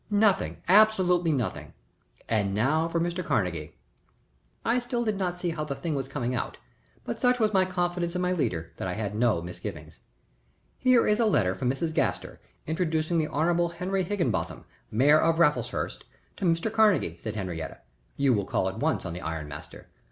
Nothing absolutely nothing. And now for Mr. Carnegie." I still did not see how the thing was coming out, but such was my confidence in my leader that I had no misgivings. "Here is a letter from Mrs. Gaster introducing the Hon. Henry Higginbotham, mayor of Raffleshurst, to Mr. Carnegie," said Henriette. "You will call at once on the iron master.